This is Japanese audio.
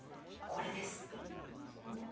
これです。